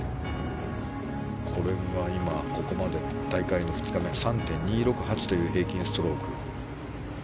これは今、ここまで大会の２日目、３．２６８という平均ストローク。